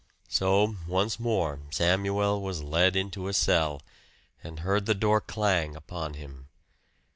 So once more Samuel was led into a cell, and heard the door clang upon him.